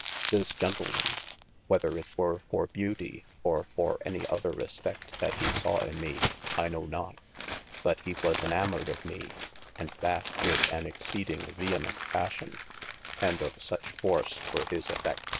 This gentleman (whether it were for beauty, or for any other respect that he sawe in me, I knowe not) but he was enamored of me, & that with an exceeding vehement passion, & of such force were his effe6r.